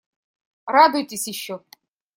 Радуйтесь ещё.